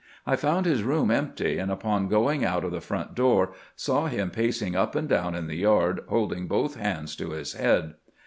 I found his room empty, and npon going out of the front door, saw him pacing up and down in the yard, holding both hands to his head.